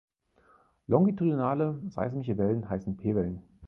Longitudinale seismische Wellen heißen P-Wellen.